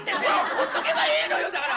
ほっとけばいいのよだから。